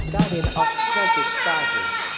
ก้าดินออกข้อสิทธิ์ก้าดิน